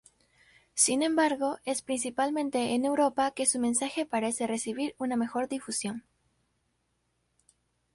Sin embargo, es principalmente en Europa que su mensaje parece recibir una mejor difusión.